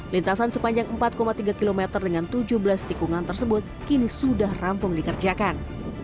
lintasan sepanjang empat tiga km dengan tujuh belas tikungan tersebut kini sudah rampung dikerjakan